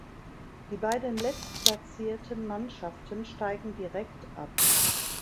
Die beiden letztplatzierten Mannschaften steigen direkt ab.